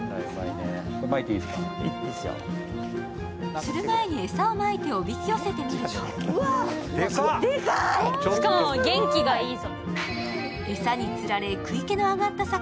釣る前に餌をまいておびき寄せてみるとちょっと元気がいいぞ。